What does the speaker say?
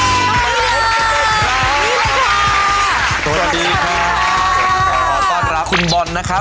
ขอต้อนรับคุณบอลนะครับ